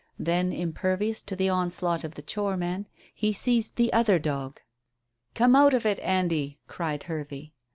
Then, impervious to the onslaught of the choreman, he seized the other dog. "Come out of it, Andy," cried Hervey.